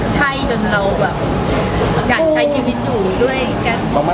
จนเราการใช้ชีวิตอยู่ด้วยกัน